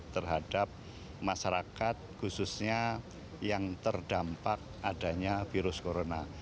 terhadap masyarakat khususnya yang terdampak adanya virus corona